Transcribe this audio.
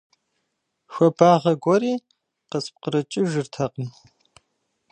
Хуабагъэ гуэри къыспкърыкӀыжыртэкъым.